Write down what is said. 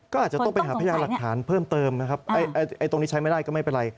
ก็อาจจะต้องไปหาพยานหลักฐานเพิ่มเติมนะครับตรงนี้ใช้ไม่ได้ก็ไม่เป็นไร